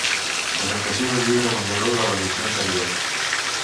Presentació del llibre guanyador de l'edició anterior.